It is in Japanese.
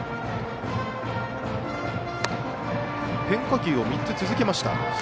変化球を３つ続けました。